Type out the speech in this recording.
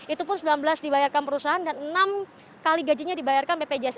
itu pun sembilan belas dibayarkan perusahaan dan enam kali gajinya dibayarkan bpjs